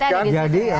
manfaatnya lebih sedikit